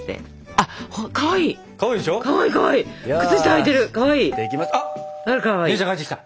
あっ姉ちゃん帰ってきた！